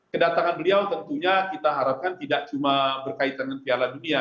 kedatangan beliau tentunya kita harapkan tidak cuma berkaitan dengan piala dunia